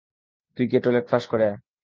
তুই গিয়ে toilet flush করে আয়।